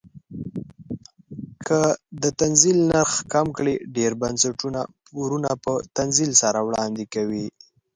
که د تنزیل نرخ کم کړي ډیر بنسټونه پورونه په تنزیل سره وړاندې کوي.